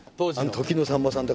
時のさんまさんと。